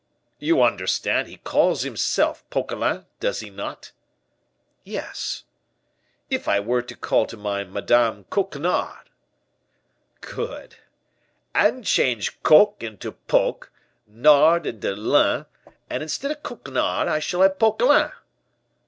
"You understand, he calls himself Poquelin, does he not?" "Yes." "If I were to call to mind Madame Coquenard." "Good." "And change Coc into Poc, nard into lin; and instead of Coquenard I shall have Poquelin."